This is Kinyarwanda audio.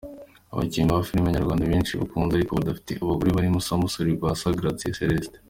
Abakinnyi ba filime nyarwanda benshi bakuze ariko badafite abagore barimo Samusure ,Rwasa , Gratien , Celestin.